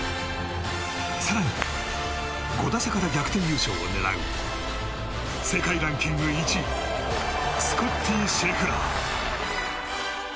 更に、５打差から逆転優勝を狙う世界ランキング１位スコッティ・シェフラー。